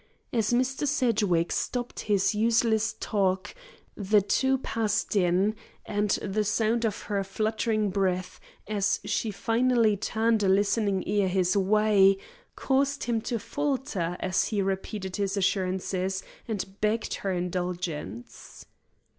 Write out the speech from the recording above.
As Mr. Sedgwick stopped his useless talk, the two passed in and the sound of her fluttering breath as she finally turned a listening ear his way, caused him to falter as he repeated his assurances and begged her indulgence.